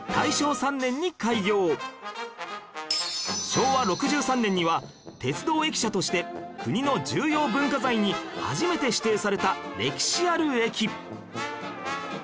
昭和６３年には鉄道駅舎として国の重要文化財に初めて指定された歴史ある駅